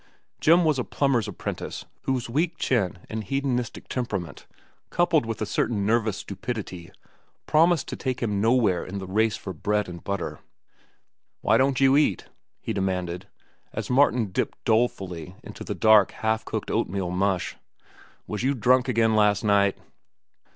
Jim was a plumber's apprentice whose weak chin and hedonistic temperament, coupled with a certain nervous stupidity, promised to take him nowhere in the race for bread and butter. "Why don't you eat?" he demanded, as Martin dipped dolefully into the cold, half cooked oatmeal mush. "Was you drunk again last night?"